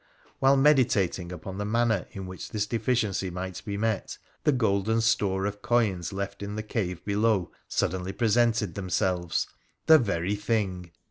While meditating upon the manner in which this deficiency might be met, the golden store of coins left in the cave below suddenly presented themselves. The very thing